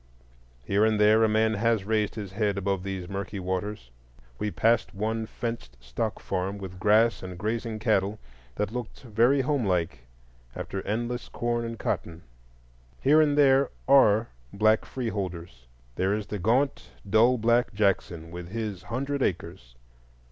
Here and there a man has raised his head above these murky waters. We passed one fenced stock farm with grass and grazing cattle, that looked very home like after endless corn and cotton. Here and there are black free holders: there is the gaunt dull black Jackson, with his hundred acres.